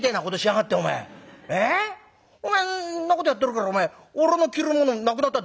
お前そんなことやってるから俺の着るものなくなったよ。